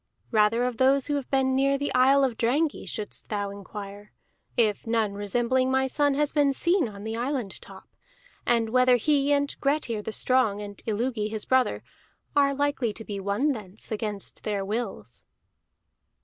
Rather of those who have been near the isle of Drangey shouldst thou inquire, if none resembling my son have been seen on the island top; and whether he, and Grettir the Strong, and Illugi his brother, are likely to be won thence against their wills."